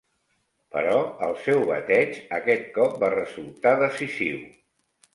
Però el seu bateig aquest cop va resultar decisiu.